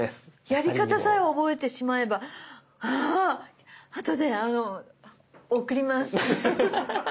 やり方さえ覚えてしまえばああとで送ります！